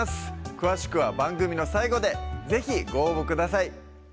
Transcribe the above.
詳しくは番組の最後で是非ご応募ください